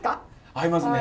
合いますね。